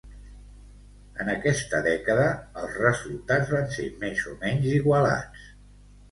En aquesta dècada els resultats van ser més o menys igualats.